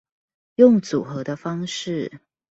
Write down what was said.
用組合的方式